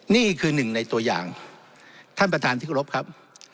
นี่คือหนึ่งในตัวอย่างท่านประธานที่กรบครับ